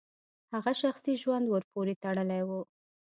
هغه شخصي ژوند ورپورې تړلی و.